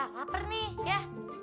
laper nih ya